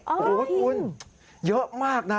โอ้โหคุณเยอะมากนะ